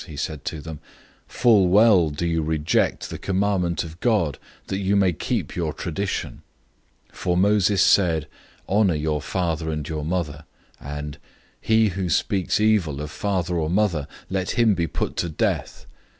007:009 He said to them, "Full well do you reject the commandment of God, that you may keep your tradition. 007:010 For Moses said, 'Honor your father and your mother;'{Exodus 20:12; Deuteronomy 5:16} and, 'He who speaks evil of father or mother, let him be put to death.'